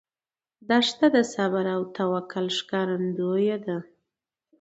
دښته د صبر او توکل ښکارندوی ده.